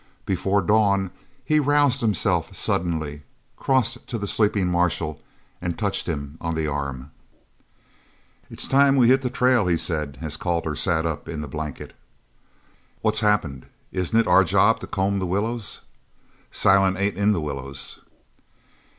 Before dawn he roused himself suddenly, crossed to the sleeping marshal, and touched him on the arm. "It's time we hit the trail," he said, as Calder sat up in the blanket. "What's happened? Isn't it our job to comb the willows?" "Silent ain't in the willows."